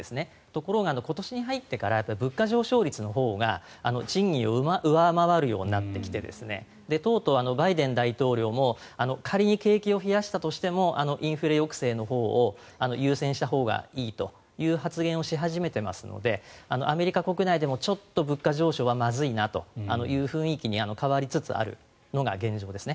ところが、今年に入ってから物価上昇率のほうが賃金を上回るようになってきてとうとう、バイデン大統領も仮に景気を冷やしたとしてもインフレ抑制のほうを優先したほうがいいという発言をし始めていますのでアメリカ国内でもちょっと物価上昇はまずいなという雰囲気に変わりつつあるのが現状です。